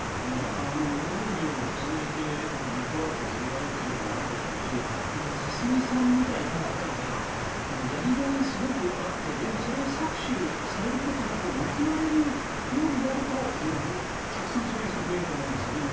農業を通じてネットワークが広がるというのもあるでしょうし僕、香純さんみたいな方がやりがい、すごくあってでもそれを搾取されることなく報われるようになるとたくさんそういう人が増えると思うんですよね。